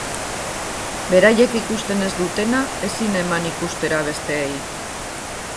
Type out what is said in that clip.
Beraiek ikusten ez dutena, ezin eman ikustera besteei.